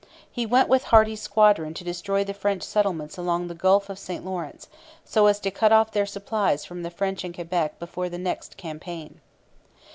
He went with Hardy's squadron to destroy the French settlements along the Gulf of St Lawrence, so as to cut off their supplies from the French in Quebec before the next campaign.